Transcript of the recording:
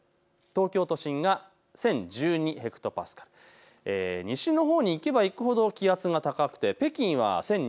東京都心が１０１２ヘクトパスカル、西のほうに行けば行くほど気圧が高くて北京は１０２６